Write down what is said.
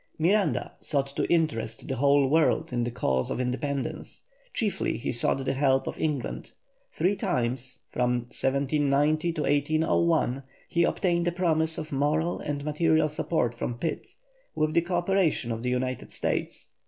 Miranda sought to interest the whole world in the cause of independence; chiefly he sought the help of England. Three times (1790 1801) he obtained a promise of moral and material support from Pitt, with the co operation of the United States.